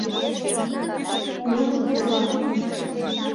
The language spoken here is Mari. Ну, ӧрмаш!